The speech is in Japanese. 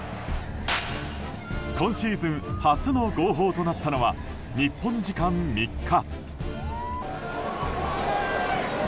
今シーズン初の号砲となったのは日本時間３日。